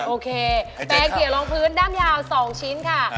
โอเคแฟงเขียวลงพื้นด้ำยาว๒ชิ้นค่ะ